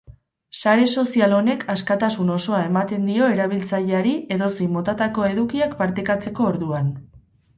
Sare sozial honek askatasun osoa ematen dio erabiltzaileari edozein motatako edukiak partekatzeko orduan.